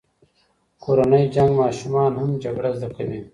کورنی جنګ ماشومان هم جګړه زده کوي.